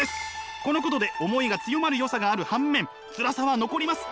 このことで思いが強まるよさがある反面つらさは残ります。